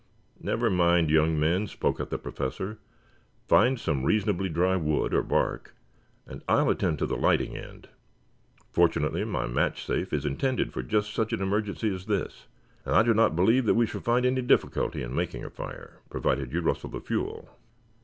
"Never mind, young men," spoke up the Professor. "Find some reasonably dry wood or bark, and I will attend to the lighting end. Fortunately my match safe is intended for just such an emergency as this, and I do not believe we shall find any difficulty in making a fire, provided you rustle the fuel."